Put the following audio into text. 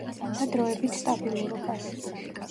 და დროებით სტაბილურობას.